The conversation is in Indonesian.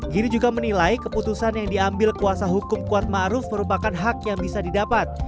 giri juga menilai keputusan yang diambil kuasa hukum kuat ⁇ maruf ⁇ merupakan hak yang bisa didapat